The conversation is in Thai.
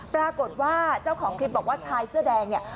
ปรากฏว่าเจ้าของคลิปบอกว่าชายเสื้อแดงเนี่ย